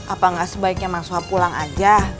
apa nggak sebaiknya mahasiswa pulang aja